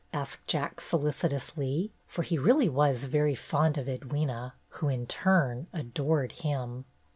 asked Jack, solicitously, for he was really very fond of Edwyna, who, in turn, adored him.